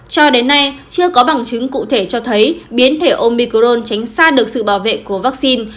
cho đến nay chưa có bằng chứng cụ thể cho thấy biến thể omicron tránh xa được sự bảo vệ của vaccine